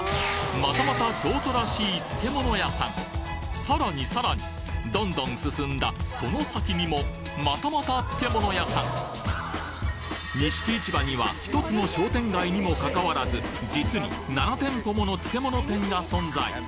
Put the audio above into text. またまた京都らしい漬物屋さんさらにさらにどんどん進んだその先にもまたまた漬物屋さん錦市場には１つの商店街にもかかわらず実に７店舗もの漬物店が存在